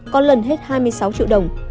có lần hết hai mươi sáu triệu đồng